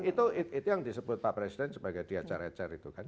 itu yang disebut pak presiden sebagai diajar ecer itu kan